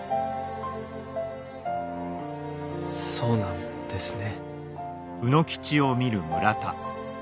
そうなんですね。